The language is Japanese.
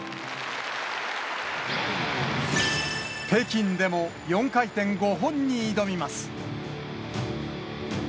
北京でも４回転５本に挑みます。